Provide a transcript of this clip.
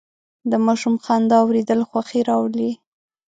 د ماشوم خندا اورېدل خوښي راولي.